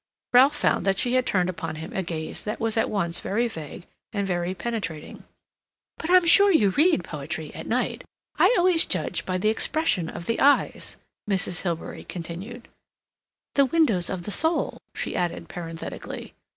Ralph found that she had turned upon him a gaze that was at once very vague and very penetrating. "But I'm sure you read poetry at night. I always judge by the expression of the eyes," Mrs. Hilbery continued. ("The windows of the soul," she added parenthetically.)